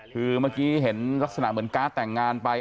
คือเมื่อกี้เห็นลักษณะเหมือนการ์ดแต่งงานไป